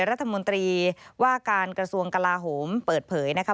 รัฐมนตรีว่าการกระทรวงกลาโหมเปิดเผยนะคะ